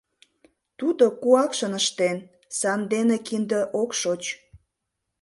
Тудо куакшын ыштен, сандене кинде ок шоч.